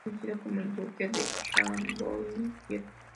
Fue conocido como el "Duque de Rambouillet".